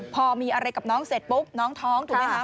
พอมีอะไรกับน้องเสร็จปุ๊บน้องท้องถูกไหมคะ